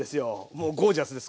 もうゴージャスです